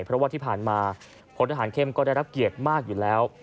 เพราะว่าที่ผ่านมาพลทหารเข้มก็ได้รับเกียรติมากอยู่แล้ว